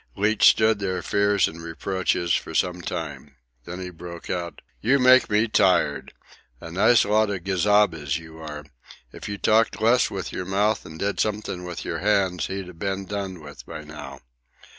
Leach stood their fears and reproaches for some time. Then he broke out: "You make me tired! A nice lot of gazabas you are! If you talked less with yer mouth and did something with yer hands, he'd a ben done with by now.